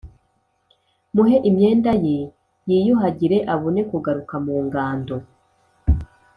Muhe imyenda ye yiyuhagire abone kugaruka mu ngando.